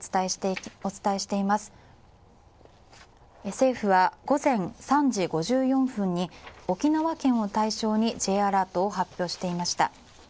政府は午前３時５４分に沖縄県を対象にＪアラートを発表していました。